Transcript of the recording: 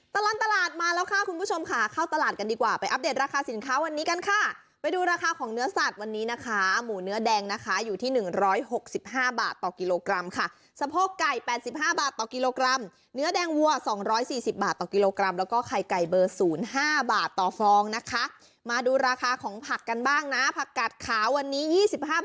ตลอดตลาดมาแล้วค่ะคุณผู้ชมค่ะเข้าตลาดกันดีกว่าไปอัปเดตราคาสินค้าวันนี้กันค่ะไปดูราคาของเนื้อสัตว์วันนี้นะคะหมูเนื้อแดงนะคะอยู่ที่หนึ่งร้อยหกสิบห้าบาทต่อกิโลกรัมค่ะสะโพกไก่แปดสิบห้าบาทต่อกิโลกรัมเนื้อแดงวัวสองร้อยสี่สิบบาทต่อกิโลกรัมแล้วก็ไข่ไก่เบอร์ศูนย์ห